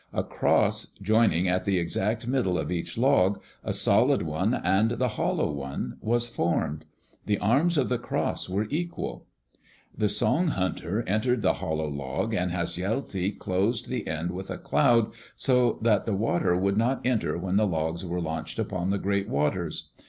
A cross, joining at the exact middle of each log, a solid one and the hollow one, was formed. The arms of the cross were equal. The song hunter entered the hollow log and Hasjelti closed the end with a cloud so that water would not enter when the logs were launched upon the great waters.